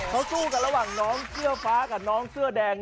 เขาสู้กันระหว่างน้องเสื้อฟ้ากับน้องเสื้อแดง